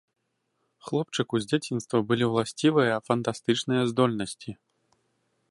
Хлопчыку з дзяцінства былі ўласцівыя фантастычныя здольнасці.